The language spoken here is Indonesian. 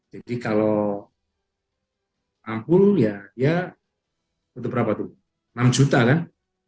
jadi kalau ampul ya ya itu berapa tuh enam juta kan